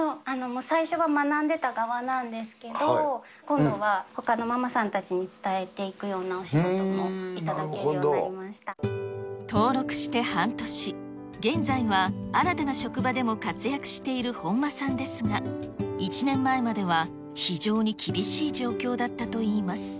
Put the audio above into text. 最初は学んでた側なんですけど、今度はほかのママさんたちに伝えていくようなお仕事も頂けるよう登録して半年、現在は新たな職場でも活躍している本間さんですが、１年前までは非常に厳しい状況だったといいます。